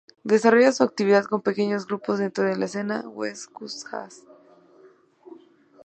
Desarrolla su actividad con pequeños grupos, dentro de la escena West Coast jazz.